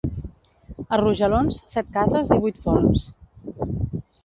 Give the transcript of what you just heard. A Rojalons, set cases i vuit forns.